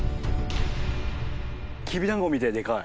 きびだんごみたいにでかい。